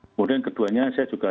kemudian keduanya saya juga